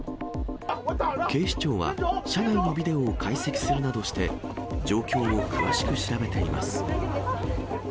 警視庁は、車内のビデオを解析するなどして、状況を詳しく調べています。